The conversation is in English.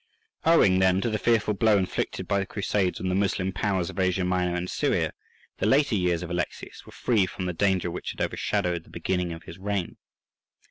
Owing, then, to the fearful blow inflicted by the Crusades on the Moslem powers of Asia Minor and Syria, the later years of Alexius were free from the danger which had overshadowed the beginning of his reign.